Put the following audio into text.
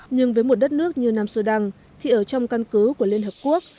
nhưng với một đất nước như nam sudan thì ở trong căn cứ của liên hợp quốc